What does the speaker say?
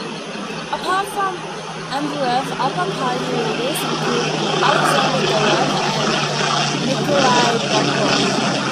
Apart from Ambarev other party leaders included Alexander Dolev and Nikolay Buckov.